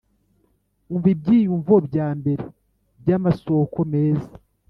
umva ibyiyumvo byambere byamasoko meza